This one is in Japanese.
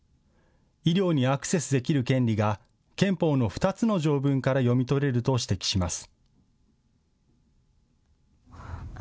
医療にアクセスできる権利が憲法の２つの条文から読み取れると指摘します。